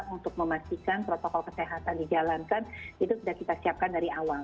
untuk memastikan protokol kesehatan dijalankan itu sudah kita siapkan dari awal